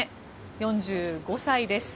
４５歳です。